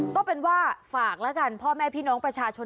ก็เป็นว่าฝากแล้วกันพ่อแม่พี่น้องประชาชน